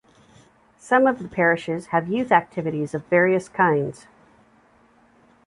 Some of the parishes have youth activities of various kinds.